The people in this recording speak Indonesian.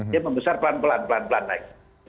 dia membesar pelan pelan naik